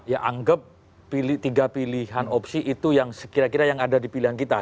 ya anggap tiga pilihan opsi itu yang sekira kira yang ada di pilihan kita